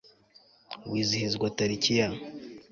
wizihizwa tariki ya